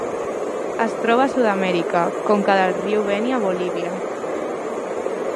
Es troba a Sud-amèrica: conca del riu Beni a Bolívia.